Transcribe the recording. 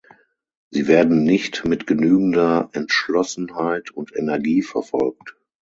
Sie werden nicht mit genügender Entschlossenheit und Energie verfolgt.